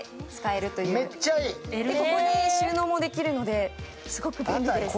ここに収納もできるのですごく便利です。